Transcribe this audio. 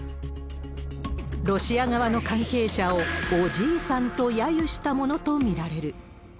ロシア側の関係者を、おじいさんとやゆしたものと見られる。